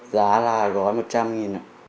giá là gói một trăm linh